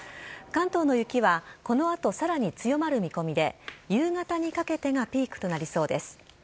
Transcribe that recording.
関東の雪はこの後、さらに強まる見込みで夕方にかけてがピークとなりそうです。